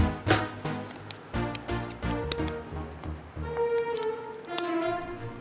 ga enak udah ditungguin siap